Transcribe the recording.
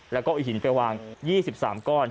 แล้วก็เอาหินไปวาง๒๓ก้อน